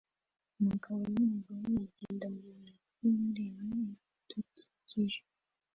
Umugabo numugore bagenda mu ntoki bareba ibidukikije